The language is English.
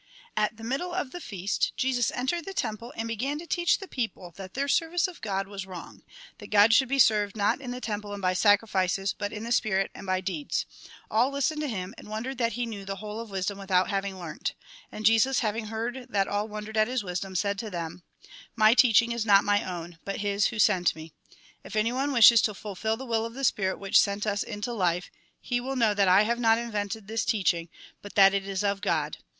At the middle of the feast, Jesus entered the temple, and began to teach the people that their service of God was wrong; that God should be served not in the temple and by sacrifices, but in the spirit, and by deeds. All listened to him, and wondered that he knew the whole of wisdom with out having learnt. And Jesus, having heard that all wondered at his wisdom, said to them :" My teaching is not my own, but His who sent me. If anyone wishes to fulfil the will of the Spitit which sent us into life, he will know that I have not invented this teaching, but that it is of God.